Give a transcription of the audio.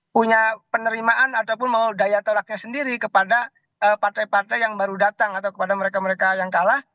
punya penerimaan ataupun mau daya tolaknya sendiri kepada partai partai yang baru datang atau kepada mereka mereka yang kalah